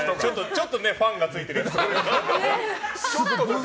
ちょっとファンがついてるやつとか。